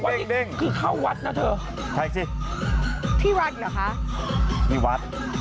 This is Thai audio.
อย่าบอกว่าคือเขาวัดนะเธอใครสิที่วัดเหรอคะที่วัด